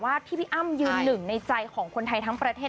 ที่พี่อ้ำยืนหนึ่งในใจของคนไทยทั้งประเทศ